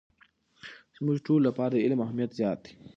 زموږ ټولو لپاره د علم اهمیت زیات دی.